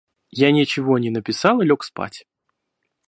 Я ничего не написал и лег спать.